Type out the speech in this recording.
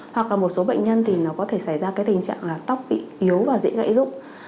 hoặc là một số bệnh nhân thì nó có thể xảy ra cái tình trạng là tóc bị yếu và dễ gãy dụng